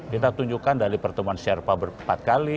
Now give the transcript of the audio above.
kita tunjukkan dari pertemuan sherpa ber empat kali